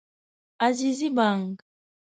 عزیزي بانګ